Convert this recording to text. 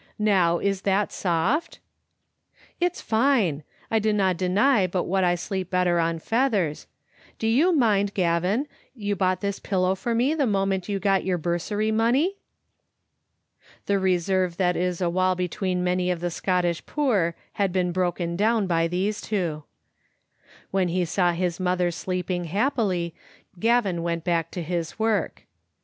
Now, is that soft?" " It's fine. I dinna deny but what I sleep better on feathers. Do you mind, Gavin, you bought this pillow for me the moment you got your bursary money?" The reserve that is a wall between many of the Scot tish poor had been broken down by these two. When he saw his mother sleeping happily, Gavin went back to his work.